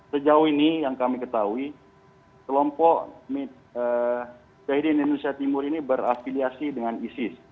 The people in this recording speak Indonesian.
sejauh ini yang kami ketahui kelompok jahidin indonesia timur ini berafiliasi dengan isis